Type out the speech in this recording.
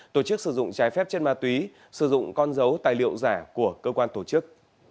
tổ chức sử dụng trái phép chất ma túy sử dụng con dấu tài liệu giả của cơ quan tổ chức